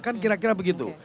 kan kira kira begitu